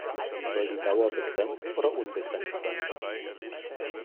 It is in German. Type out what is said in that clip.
Soll die Dauer begrenzt oder unbegrenzt sein?